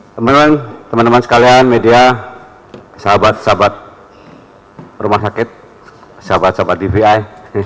teman teman sekalian media sahabat sahabat rumah sakit sahabat sahabat dvi